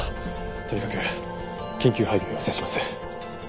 とにかく緊急配備を要請します。